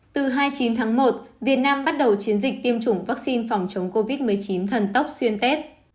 từ hai mươi chín tháng một việt nam bắt đầu chiến dịch tiêm chủng vaccine phòng chống covid một mươi chín thần tốc xuyên tết